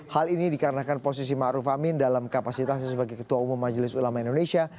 hal ini dikarenakan posisi ma'ruf amin dalam kapasitasnya sebagai ketua umum majelis ulama indonesia